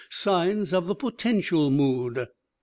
signs of the Potential mood."